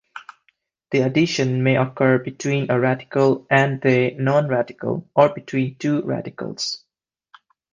The addition may occur between a radical and a non-radical, or between two radicals.